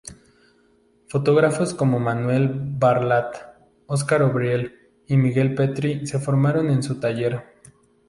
Fotógrafos como Manuel Baralt, Óscar O’Brien y Miguel Pietri se formaron en su taller.